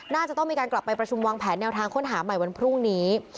น่าจะต้องมีการกลับไปประชุมวางแผนแนวทางค้นหาใหม่วันพรุ่งนี้